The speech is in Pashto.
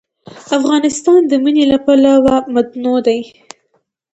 افغانستان د منی له پلوه متنوع دی.